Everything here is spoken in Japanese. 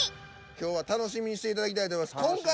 今日は楽しみにしていただきたいと思います。